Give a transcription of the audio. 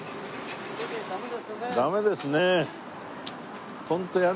ダメですね。